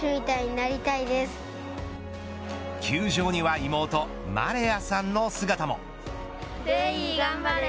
球場には妹、希亜さんの姿も。